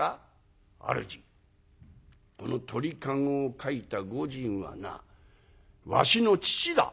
「主この鳥籠を描いた御仁はなわしの父だ」。